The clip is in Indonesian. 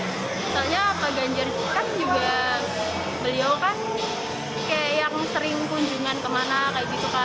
misalnya pak ganjar kan juga beliau kan kayak yang sering kunjungan kemana kayak gitu kan